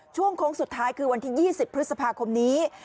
โค้งสุดท้ายคือวันที่๒๐พฤษภาคมนี้